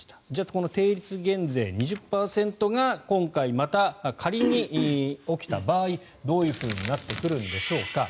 この定率減税２０％が今回、また仮に起きた場合どういうふうになってくるんでしょうか。